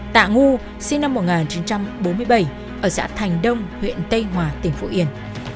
tạ ngu sinh năm một nghìn chín trăm bốn mươi bảy ở xã thành đông huyện tây hòa tỉnh phú yên